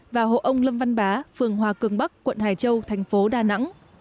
và hộ ông lâm văn bá phường hòa cường bắc quận hải châu thành phố đà nẵng